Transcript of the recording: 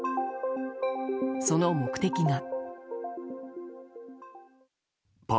その目的が。